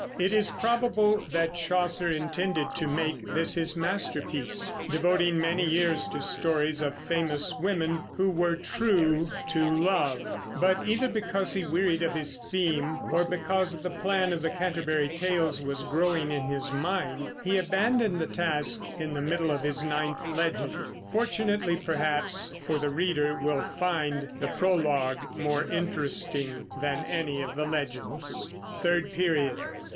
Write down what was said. It is probable that Chaucer intended to make this his masterpiece, devoting many years to stories of famous women who were true to love; but either because he wearied of his theme, or because the plan of the Canterbury Tales was growing in his mind, he abandoned the task in the middle of his ninth legend, fortunately, perhaps, for the reader will find the Prologue more interesting than any of the legends. THIRD PERIOD.